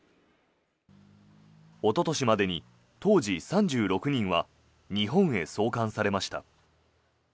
おととしまでに当時３６人は日本へ送還されました。